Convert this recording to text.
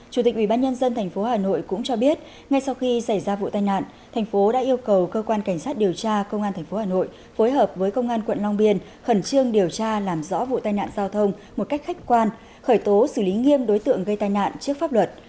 chủ tịch ubnd tp hà nội cũng cho biết ngay sau khi xảy ra vụ tai nạn thành phố đã yêu cầu cơ quan cảnh sát điều tra công an tp hà nội phối hợp với công an quận long biên khẩn trương điều tra làm rõ vụ tai nạn giao thông một cách khách quan khởi tố xử lý nghiêm đối tượng gây tai nạn trước pháp luật